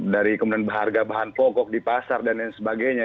dari kemudian harga bahan pokok di pasar dan lain sebagainya